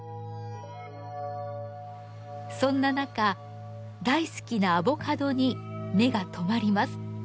そんななか大好きなアボカドに目がとまります。